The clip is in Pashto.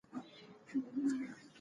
شکارپور یو تجارتي مرکز و.